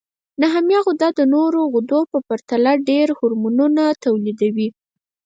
نخامیه غده د نورو غدو په پرتله ډېر هورمونونه تولیدوي.